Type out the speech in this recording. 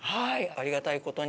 ありがたい事に。